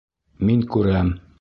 — Мин күрәм.